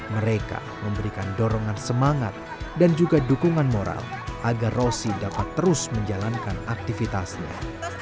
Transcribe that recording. mereka memberikan dorongan semangat dan juga dukungan moral agar rosi dapat terus menjalankan aktivitasnya